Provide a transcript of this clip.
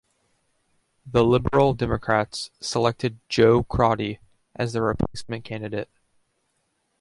The Liberal Democrats selected Jo Crotty as their replacement candidate.